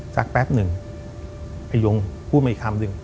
แป๊บหนึ่งพยงพูดมาอีกคำหนึ่ง